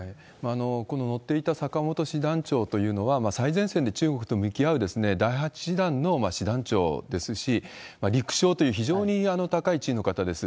この乗っていた坂本師団長というのは、最前線で中国と向き合う第８師団の師団長ですし、陸将という非常に高い地位の方です。